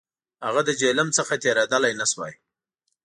هغه له جیهلم څخه تېرېدلای نه شوای.